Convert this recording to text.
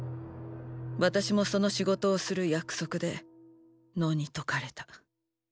私もその仕事をする約束で野に解かれた。